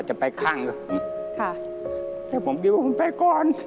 ใช่ขอบคุณมาก